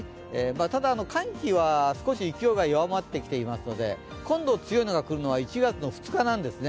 ただ、寒気は少し勢いが弱まってきていますので、今度強いのが来るのは１月２日なんですね。